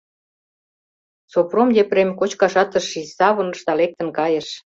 Сопром Епрем кочкашат ыш шич, савырныш да лектын кайыш.